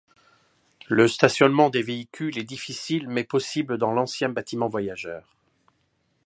Le stationnement des véhicules est difficile mais possible devant l'ancien bâtiment voyageurs.